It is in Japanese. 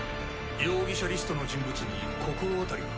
容疑者リストの人物に心当たりが？